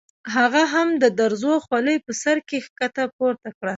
هغه هم د دروزو خولۍ په سر کې ښکته پورته کړه.